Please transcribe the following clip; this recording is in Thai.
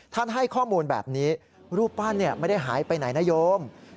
ให้ข้อมูลแบบนี้รูปปั้นไม่ได้หายไปไหนนโยม